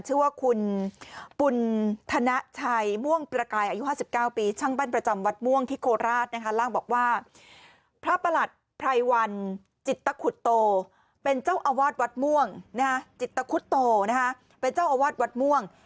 เป็นเจ้าอาวาสวัดม่วงนะฮะจิตตะคุดโตนะฮะเป็นเจ้าอาวาสวัดม่วง